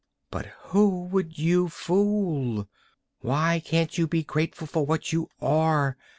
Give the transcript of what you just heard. But who would you fool? Why can't you be grateful for what you are?